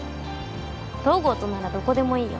東郷とならどこでもいいよ